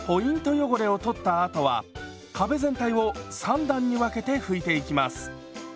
汚れを取ったあとは壁全体を３段に分けて拭いていきます。